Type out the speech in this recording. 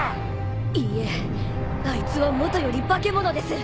いいえあいつはもとより化け物です！